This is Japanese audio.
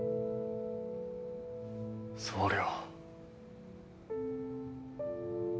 総領。